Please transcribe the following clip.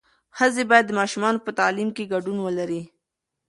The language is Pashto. ښځې باید د ماشومانو په تعلیم کې ګډون ولري.